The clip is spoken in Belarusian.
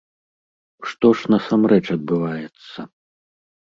Што ж насамрэч адбываецца?